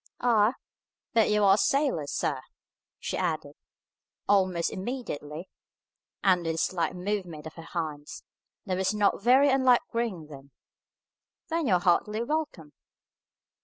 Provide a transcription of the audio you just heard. "Ah! but you are a sailor, sir," she added, almost immediately, and with a slight movement of her hands, that was not very unlike wringing them; "then you are heartily welcome."